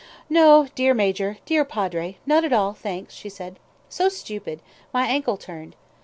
"No, dear Major, dear Padre, not at all, thanks," she said. "So stupid: my ankle turned.